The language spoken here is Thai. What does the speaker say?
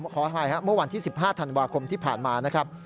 ขออภัยครับเมื่อวันที่๑๕ธันวาคมที่ผ่านมานะครับ